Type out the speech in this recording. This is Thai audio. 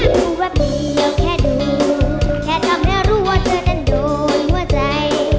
ดูแวบเดียวแค่ดูแค่ทำให้รู้ว่าเธอนั้นโดยหัวใจ